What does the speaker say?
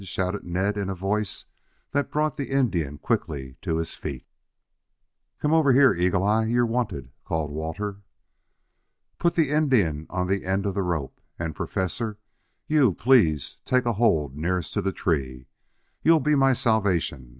shouted Ned in a voice that brought the Indian quickly to his feet. "Come over here, Eagle eye. You're wanted," called Walter. "Put the Indian on the end of the rope; and, Professor, you please take a hold nearest to the tree. You'll be my salvation.